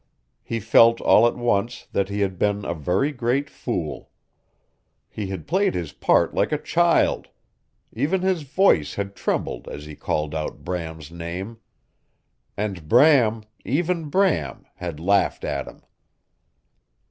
He felt, all at once, that he had been a very great fool. He had played his part like a child; even his voice had trembled as he called out Bram's name. And Bram even Bram had laughed at him.